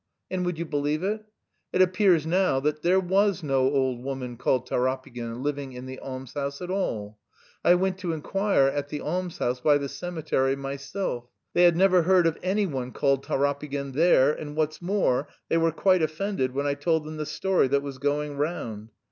And would you believe it? It appears now that there was no old woman called Tarapygin living in the almshouse at all! I went to inquire at the almshouse by the cemetery myself; they had never heard of anyone called Tarapygin there, and, what's more, they were quite offended when I told them the story that was going round.